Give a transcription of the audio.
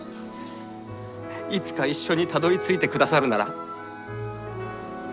いつか一緒にたどりついてくださるなら。